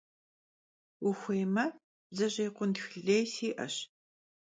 Vuxuêyme, bdzejêy khuitx lêy si'eş.